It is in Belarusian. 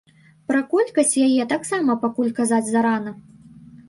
Пра колькасць яе таксама пакуль казаць зарана.